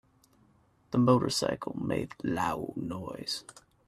The motorcycle made loud noise.